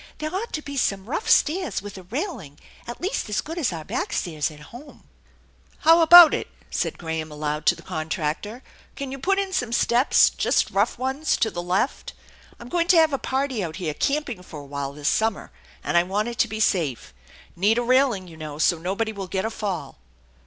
"There ought to be some rough stairs with a railing, at least as good as our back stairs at home." "How about it?" said Graham aloud to the contractor. THE ENCHANTED BARN 89 "Can you put in some steps, just rough ones, to the left? I'm going to have a party out here camping for a while this summer, and I want it to be safe. Need a railing, you know, so nobody will get a fall."